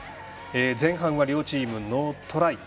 前半は両チーム、ノートライ。